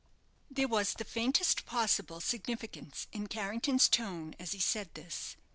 There was the faintest possible significance in Carrington's tone as he said this.